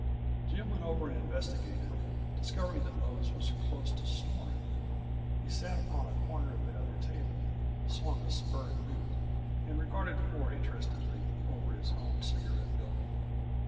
Jim went over and investigated; discovering that Mose was close to snoring, he sat upon a corner of the other table, swung a spurred boot, and regarded Ford interestedly over his own cigarette building.